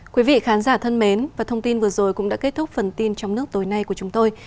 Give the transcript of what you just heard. quý vị khán giả thân mến và thông tin vừa rồi cũng đã kết thúc phần tin trong nước tối nay của chúng tôi